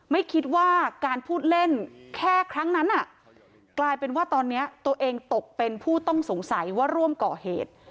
ไม่คิดว่าการพูดเล่นแค่ครั้งนั้นกลายเป็นว่าตอนนี้ตัวเองตกเป็นผู้ต้องสงสัยว่าร่วมก่อเหตุ